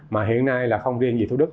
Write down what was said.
mà hiện nay là không riêng gì thu đức